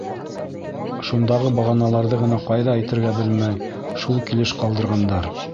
Шундағы бағаналарҙы ғына ҡайҙа итергә белмәй, шул килеш ҡалдырғандар.